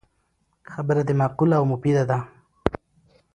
خبره دی معقوله او مفیده ده